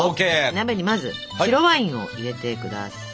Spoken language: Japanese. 鍋にまず白ワインを入れてください。